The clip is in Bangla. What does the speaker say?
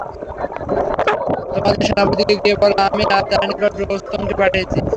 তোমাদের সেনাপতিকে গিয়ে বল, আমি তার নিকট রোস্তমকে পাঠাচ্ছি।